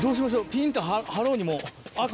ピンと張ろうにも。